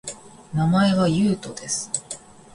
名前は、ゆうとです